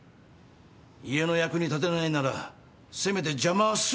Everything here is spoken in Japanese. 家の役に立てないならせめて邪魔はするな。